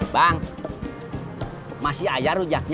bang masih aja rujaknya